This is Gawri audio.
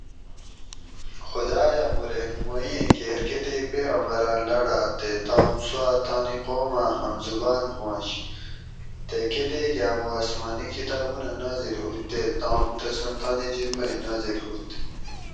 خدایہ مُوں رہنمائی ایں کیر کتیک پیغمبراۤن لاڑاۤت تے تام سوا تانی قوماۤں ہم زبان ہوانش تے کۤتیک آمو آسمانی کتابونہ نازل ہُوت تے تام تسوں تانی جِب مئی نازل ہُوت